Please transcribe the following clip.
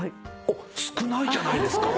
あっ少ないじゃないですか！？